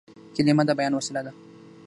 کلیمه د بیان وسیله ده.